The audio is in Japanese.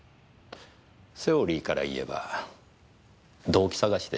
セオリーからいえば動機探しでしょうか。